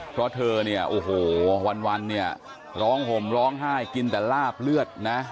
เพราะเธอเนี่ยโอ้โหวันเนี่ยร้องห่มร้องไห้กินแต่ลาบเลือดนะ